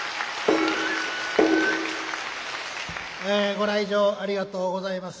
ご来場ありがとうございます。